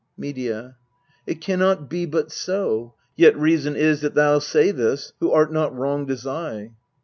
Medea. It can not be but so : yet reason is That thou say this, who art not wronged as I.